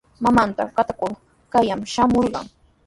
Mamanta katraykur kayman shamurqan.